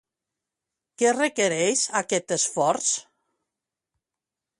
Què requereix aquest esforç?